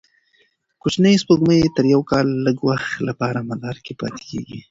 کوچنۍ سپوږمۍ تر یوه کال لږ وخت لپاره مدار کې پاتې کېږي.